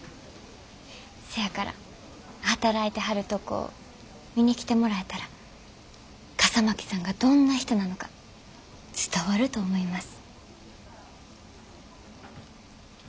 せやから働いてはるとこ見に来てもらえたら笠巻さんがどんな人なのか伝わると思います。